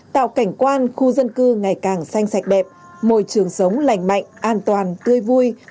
tạo cảnh quan khu dân cư ngày càng xanh sạch đẹp môi trường sống lành mạnh an toàn tươi vui